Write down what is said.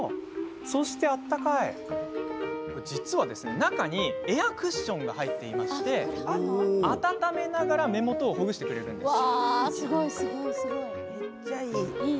そして実は、中にエアクッションが入っていまして温めながら目元をほぐしてくれるんです。